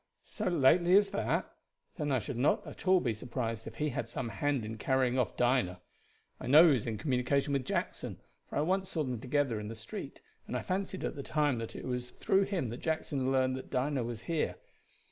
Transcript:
"So lately as that! Then I should not be at all surprised if he had some hand in carrying off Dinah. I know he was in communication with Jackson, for I once saw them together in the street, and I fancied at the time that it was through him that Jackson learned that Dinah was here.